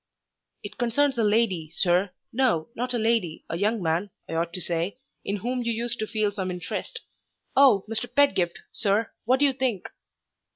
"It concerns a lady, sir no, not a lady a young man, I ought to say, in whom you used to feel some interest. Oh, Mr. Pedgift, sir, what do you think!